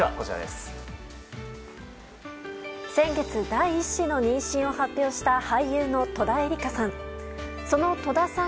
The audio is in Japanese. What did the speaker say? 先月第１子の妊娠を発表した俳優の戸田恵梨香さん。